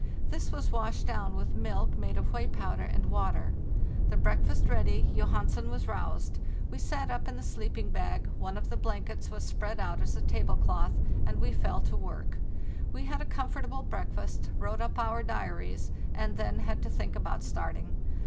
This was washed down with milk, made of whey powder and water. The breakfast ready, Johansen was roused; we sat up in the sleeping bag, one of the blankets was spread out as a table cloth, and we fell to work. We had a com fortable breakfast, wrote up our diaries, and then had to think about starting.